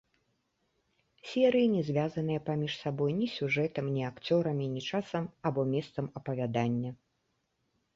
Серыі не звязаныя паміж сабой ні сюжэтам, ні акцёрамі, ні часам або месцам апавядання.